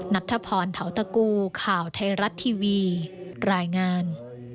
นัทธพรเทาตะกูข่าวไทยรัฐทีวีรายงาน